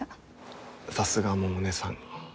さすが百音さん。